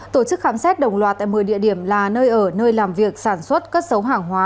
tổ chức khám xét đồng loạt tại một mươi địa điểm là nơi ở nơi làm việc sản xuất cất xấu hàng hóa